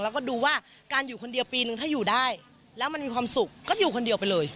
แล้วมันมีความสุขก็อยู่คนเดียวไปเลย